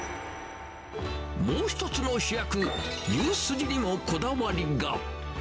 もう一つの主役、牛筋にもこだわりが。